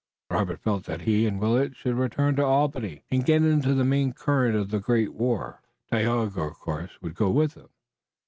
Robert felt that he and Willet should return to Albany, and get into the main current of the great war. Tayoga, of course, would go with them.